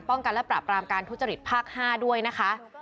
กันและปราบรามการทุจริตภาค๕ด้วยนะคะ